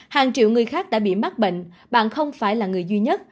hàng triệu người khác đã bị mắc bệnh bạn không phải là người duy nhất